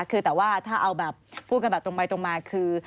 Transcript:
คือแต่ว่าถ้าเอาแบบพูดกันแบบตรงไปตรงมาคือ